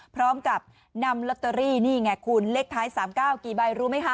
พร้อมกับนำลอตเตอรี่นี่ไงคุณเลขท้าย๓๙กี่ใบรู้ไหมคะ